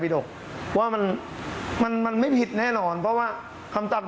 ซีนะเอ้าชี้อย่างนี้ไม่ได้อะ